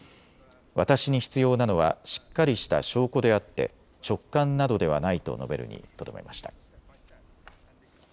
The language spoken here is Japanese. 私に必要なのはしっかりした証拠であって直感などではないと述べるにとどめました。